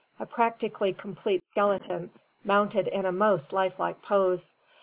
a practically complete skeleton mounted in a most lifelike pose.